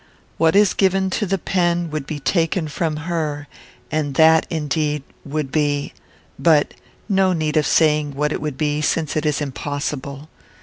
What is given to the pen would be taken from her; and that, indeed, would be but no need of saying what it would be, since it is impossible.